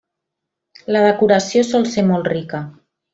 La decoració sol ser mot rica.